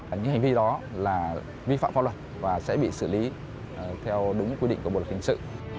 những hành vi đó là vi phạm pháp luật và sẽ bị xử lý theo đúng quy định của bộ luật hình sự